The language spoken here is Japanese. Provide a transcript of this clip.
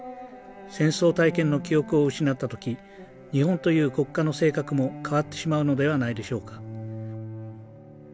戦争体験の記憶を失った時日本という国家の性格も変わってしまうのではないでしょうか。